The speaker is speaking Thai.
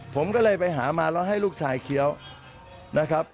ผมก็เลยไปหามาแล้วให้ลูกชายเคี้ยวนะครับ